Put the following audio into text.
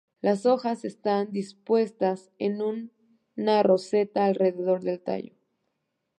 Las hojas están dispuestas en una roseta alrededor del tallo.